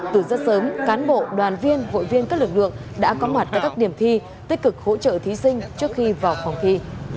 từ rất sớm cán bộ đoàn viên hội viên các lực lượng đã có mặt tại các điểm thi tích cực hỗ trợ thí sinh trước khi vào phòng thi